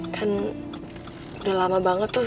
kan udah lama banget tuh